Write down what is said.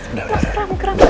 udah udah udah mas kram kram kram